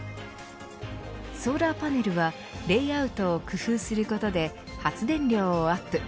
ソーラーパネルはレイアウトを工夫することで発電量をアップ。